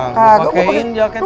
gua pakein jaketnya salah